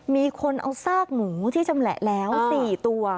มีคนเอาซากหมูที่ชำแหละแล้ว๔ตัว